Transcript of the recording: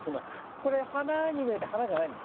これ花に見えて花じゃないんです。